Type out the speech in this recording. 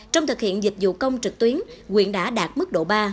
trong thực hiện dịch vụ công trực tuyến quyện đã đạt mức độ ba